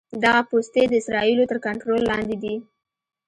دغه پوستې د اسرائیلو تر کنټرول لاندې دي.